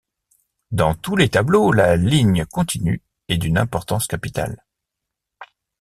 Dans tous les tableaux, la Ligne Continue est d’une importance capitale.